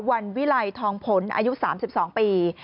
วันวิไลทองผลอายุ๓๒ปี